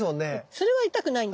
それは痛くないんだよ。